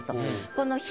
この。